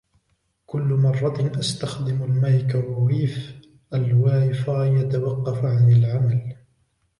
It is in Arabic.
كل مرة أستخدم المايكروويف, الواي فاي يتوقف عن العمل.